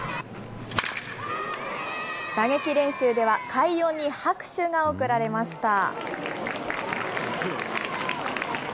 打撃練習では快音に拍手が送られました。